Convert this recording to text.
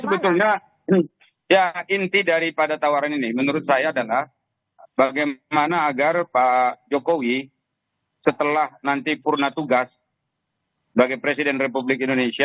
sebetulnya ya inti daripada tawaran ini menurut saya adalah bagaimana agar pak jokowi setelah nanti purna tugas sebagai presiden republik indonesia